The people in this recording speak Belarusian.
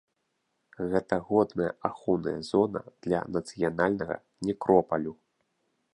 Гэта годная ахоўная зона для нацыянальнага некропалю.